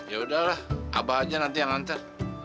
yaudah lah abah aja nanti yang nganter